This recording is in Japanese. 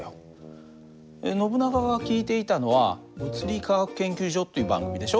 ノブナガが聞いていたのは「物理科学研究所」っていう番組でしょ。